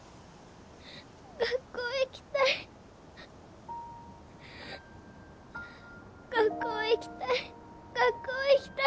学校行きたい学校行きたい学校行きたい！